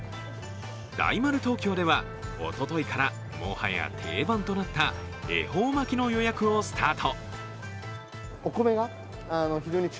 大丸東京では、おとといからもはや定番となった恵方巻きの予約をスタート。